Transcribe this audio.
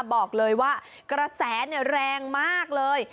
บอกเลยว่ากระแสแรงมากเลย